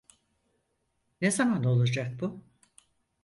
Ne zaman olacak bu?